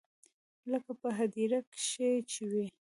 لکه په هديره کښې چې وي.